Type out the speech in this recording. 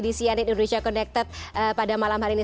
di cnn indonesia connected pada malam hari ini